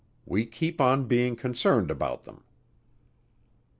We keep on being concerned about them."